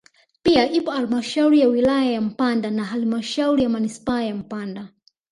Pia ipo halmashauri ya wilaya ya Mpanda na halmashauri ya manispaa ya Mpanda